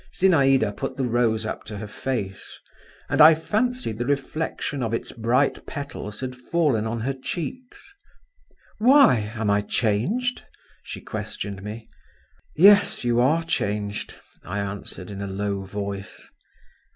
Zinaïda put the rose up to her face, and I fancied the reflection of its bright petals had fallen on her cheeks. "Why, am I changed?" she questioned me. "Yes, you are changed," I answered in a low voice.